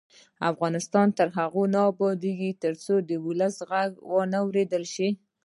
افغانستان تر هغو نه ابادیږي، ترڅو د ولس غږ واوریدل نشي.